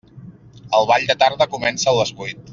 El ball de tarda comença a les vuit.